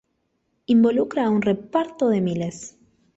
Involucra a un reparto de miles.